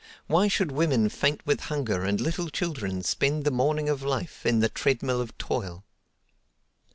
Why should women faint with hunger, and little children spend the morning of life in the treadmill of toil?